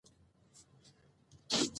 د مناظرې پر ځای د کتاب لوستل غوره دي.